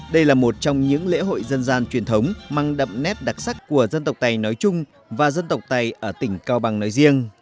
đây là một trong những lễ hội dân gian truyền thống mang đậm nét đặc sắc của dân tộc tây nói chung và dân tộc tây ở tỉnh cao bằng nói riêng